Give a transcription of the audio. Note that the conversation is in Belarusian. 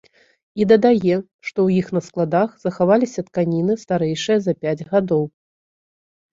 І дадае, што ў іх на складах захаваліся тканіны, старэйшыя за пяць гадоў!